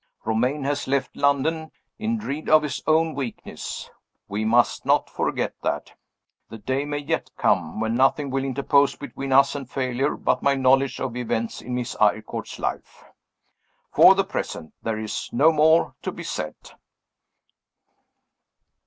Romayne has left London, in dread of his own weakness we must not forget that. The day may yet come when nothing will interpose between us and failure but my knowledge of events in Miss Eyrecourt's life. For the present, there is no more to be said.